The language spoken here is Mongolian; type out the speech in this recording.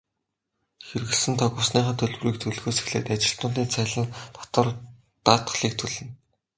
Хэрэглэсэн тог, усныхаа төлбөрийг төлөхөөс эхлээд ажилтнуудын цалин, татвар, даатгалыг төлнө.